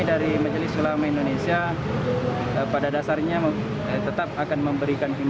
apalagi sholat tarawih ini